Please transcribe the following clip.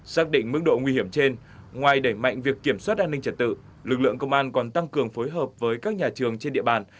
xác định mức độ nguy hiểm trên ngoài đẩy mạnh việc kiểm soát an ninh trật tự lực lượng công an còn tăng cường phối hợp với các nhà trường trên địa bàn